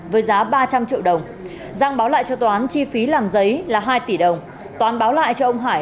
với giá ba trăm linh triệu đồng giang báo lại cho toán chi phí làm giấy là hai tỷ đồng toán báo lại cho ông hải